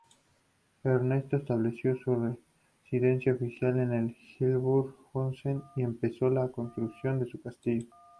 Ernesto estableció su residencia oficial en Hildburghausen y empezó la construcción de su castillo.